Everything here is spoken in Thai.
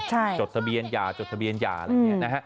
จดทะเบียนยาอะไรอย่างเนี่ยนะฮะ